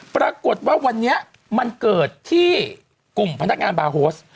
ปรากฏว่าวันนี้มันเกิดที่กลุ่มพนักงานบาร์โฮส